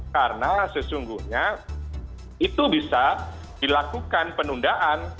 karena sesungguhnya itu bisa dilakukan penundaan